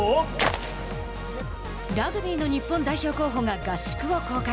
ラグビーの日本代表候補が合宿を公開。